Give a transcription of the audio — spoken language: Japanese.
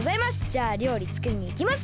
じゃありょうりつくりにいきますか！